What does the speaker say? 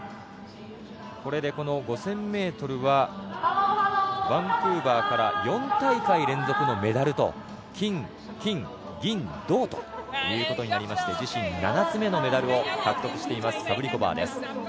これで５０００ｍはバンクーバーから４大会連続のメダルと金、金、銀、銅ということになりまして自身７つ目のメダルを獲得していますサブリコバーです。